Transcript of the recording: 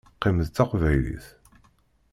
Qqim d Taqbaylit.